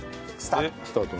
スタート。